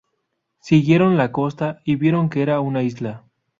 Siguieron la costa y vieron que era una isla.